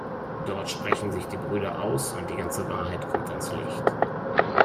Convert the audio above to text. Dort sprechen sich die Brüder aus und die ganze Wahrheit kommt ans Licht.